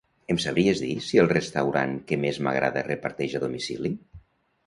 Em sabries dir si el restaurant que més m'agrada reparteix a domicili?